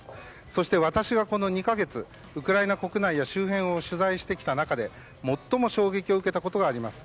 そして、私はこの２か月ウクライナ国内や周辺を取材してきた中で最も衝撃を受けたことがあります。